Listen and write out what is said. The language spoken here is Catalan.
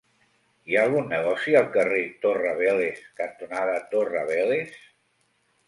Hi ha algun negoci al carrer Torre Vélez cantonada Torre Vélez?